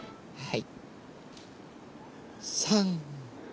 はい。